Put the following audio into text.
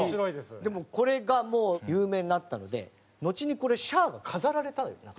でもこれがもう有名になったのでのちにこれ西が飾られたよね？